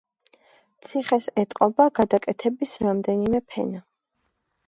ციხეს ეტყობა გადაკეთების რამდენიმე ფენა.